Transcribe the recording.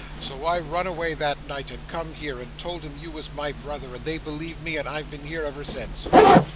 So I run away that night, and come here, and told 'em you was my brother, and they believed me, and I've been here ever since.